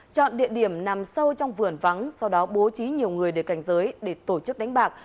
chọn địa điểm nằm sâu trong vườn vắng sau đó bố trí nhiều người để cảnh giới để tổ chức đánh bạc